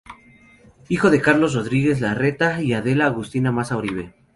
Hijo de Carlos Rodríguez Larreta y Adela Agustina Maza Oribe.